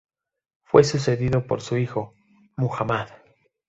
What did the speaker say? Fue sucedido por su hijo, Muhammad.